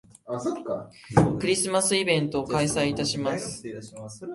クリスマスイベントを開催いたします